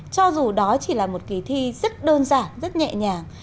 cho dù đó chỉ là một kỳ thi rất đơn giản rất nhẹ nhàng